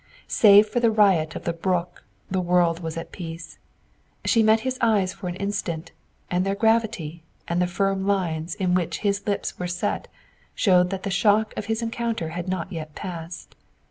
Save for the riot of the brook the world was at peace. She met his eyes for an instant, and their gravity, and the firm lines in which his lips were set, showed that the shock of his encounter had not yet passed.